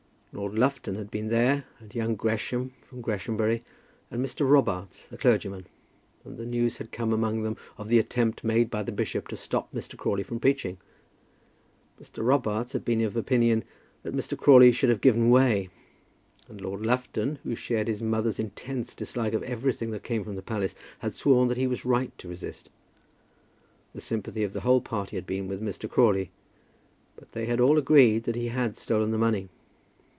Lord Lufton had been there, and young Gresham from Greshamsbury, and Mr. Robarts the clergyman, and news had come among them of the attempt made by the bishop to stop Mr. Crawley from preaching. Mr. Robarts had been of opinion that Mr. Crawley should have given way; and Lord Lufton, who shared his mother's intense dislike of everything that came from the palace, had sworn that he was right to resist. The sympathy of the whole party had been with Mr. Crawley; but they had all agreed that he had stolen the money.